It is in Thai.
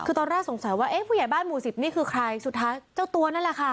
คือตอนแรกสงสัยว่าเอ๊ะผู้ใหญ่บ้านหมู่สิบนี่คือใครสุดท้ายเจ้าตัวนั่นแหละค่ะ